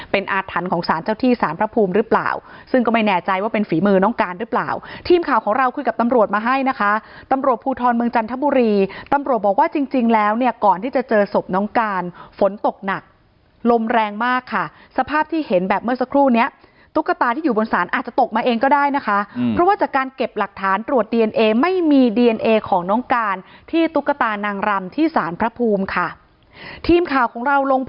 เป็นอาทรรณ์ของศาลเจ้าที่ศาลพระภูมิหรือเปล่าซึ่งก็ไม่แน่ใจว่าเป็นฝีมือน้องการหรือเปล่าทีมข่าวของเราคุยกับตำรวจมาให้นะคะตำรวจภูทรเมืองจันทบุรีตำรวจบอกว่าจริงแล้วเนี่ยก่อนที่จะเจอศพน้องการฝนตกหนักลมแรงมากค่ะสภาพที่เห็นแบบเมื่อสักครู่เนี่ยตุ๊กตาที่อยู่บน